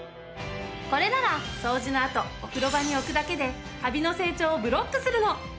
これなら掃除のあとお風呂場に置くだけでカビの成長をブロックするの。